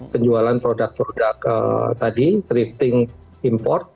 penjualan produk produk tadi thrifting import